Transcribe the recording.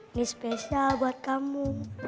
ini spesial buat kamu